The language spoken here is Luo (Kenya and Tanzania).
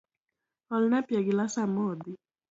Olna pi e gilas amodhi.